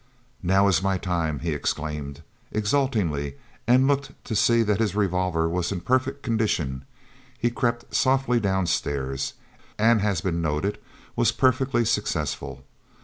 "Now is my time!" he exclaimed, exultingly, and looking to see that his revolver was in perfect condition, he crept softly downstairs, and as has been noted, was perfectly successful.